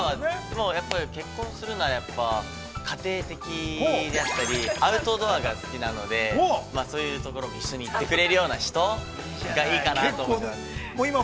もう結婚するならやっぱり、家庭的であったり、アウトドアが好きなので、そういうところも一緒に行ってくれるような人、いいかなと思います。